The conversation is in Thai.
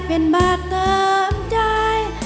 เป็นบาทเติมใจ